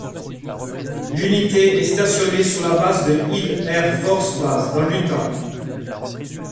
L'unité est stationnée sur la base de Hill Air Force Base, dans l'Utah.